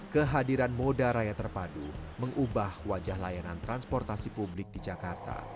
kehadiran moda raya terpadu mengubah wajah layanan transportasi publik di jakarta